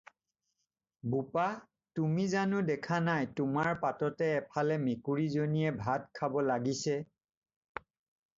বোপা, তুমি জানো দেখা নাই তোমাৰ পাততে এফালে মেকুৰীজনীয়ে ভাত খাব লাগিছে।